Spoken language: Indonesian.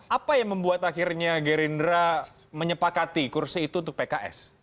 apa yang membuat akhirnya gerindra menyepakati kursi itu untuk pks